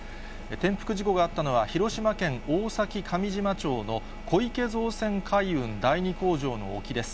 転覆事故があったのは、広島県大崎上島町の小池造船海運・第二工場の沖です。